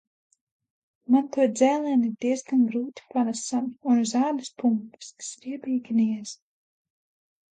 Man to dzēlieni ir diezgan grūti panesami un uz ādas pumpas, kas riebīgi niez.